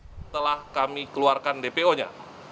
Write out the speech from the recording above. setelah kami keluarkan dpo nya